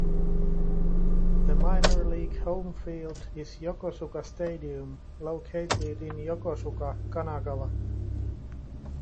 The minor league home field is Yokosuka Stadium, located in Yokosuka, Kanagawa.